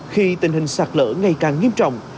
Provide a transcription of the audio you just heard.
khi tình hình sạt lở ngày càng nghiêm trọng